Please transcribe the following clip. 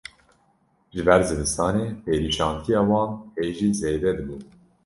Ji ber zivistanê perîşantiya wan hê jî zêde dibû